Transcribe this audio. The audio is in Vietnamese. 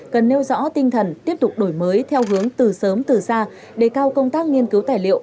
cần nêu rõ tinh thần tiếp tục đổi mới theo hướng từ sớm từ xa để cao công tác nghiên cứu tài liệu